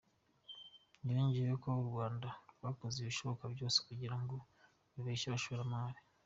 Yongeyeho ko u Rwanda rwakoze ibishoboka byose kugira ngo rureshye abashoramari.